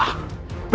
kau kita udah bawa